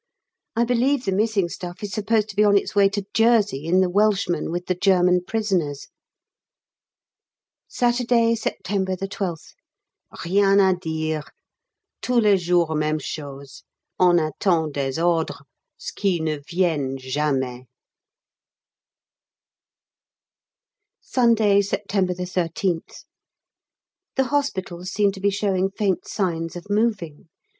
I believe the missing stuff is supposed to be on its way to Jersey in the Welshman with the German prisoners. Saturday, September 12th. Rien à dire. Tous les jours même chose on attend des ordres, ce qui ne viennent jamais. Sunday, September 13th. The hospitals seem to be showing faint signs of moving.